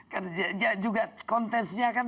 karena juga kontesnya kan